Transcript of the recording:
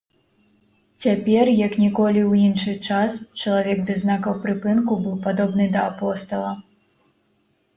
Цяпер, як ніколі ў іншы час, чалавек без знакаў прыпынку быў падобны да апостала.